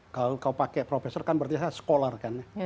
kalau kau pakai profesor kan berarti saya sekolah kan ya